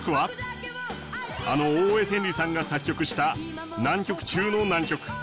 あの大江千里さんが作曲した難曲中の難曲。